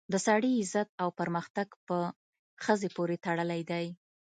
د سړي عزت او پرمختګ په ښځې پورې تړلی دی